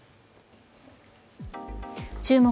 「注目！